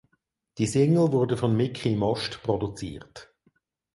Die Single wurde von Mickie Most produziert.